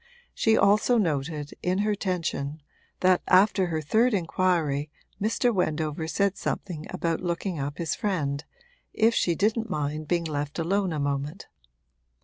She also noted, in her tension, that after her third inquiry Mr. Wendover said something about looking up his friend, if she didn't mind being left alone a moment.